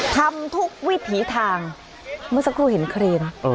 ทำทุกวิถีทางเมื่อสักครู่เห็นเครน